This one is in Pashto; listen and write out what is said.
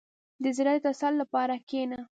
• د زړه د تسل لپاره کښېنه.